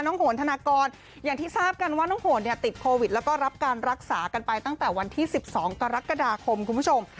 โหนธนากรอย่างที่ทราบกันว่าน้องโหนเนี่ยติดโควิดแล้วก็รับการรักษากันไปตั้งแต่วันที่๑๒กรกฎาคมคุณผู้ชม